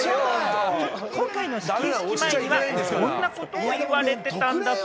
今回の始球式前にはこんなことを言われてたんだよ、